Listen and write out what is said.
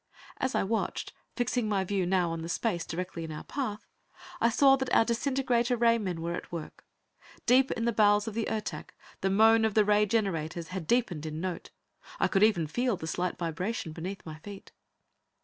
As I watched, fixing my view now on the space directly in our path, I saw that our disintegrator ray men were at work. Deep in the bowels of the Ertak, the moan of the ray generators had deepened in note; I could even feel the slight vibration beneath my feet.